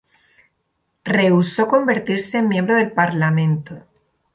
Rehusó convertirse en miembro del parlamento.